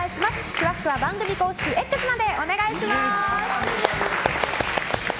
詳しくは番組公式Ｘまでお願いいたします。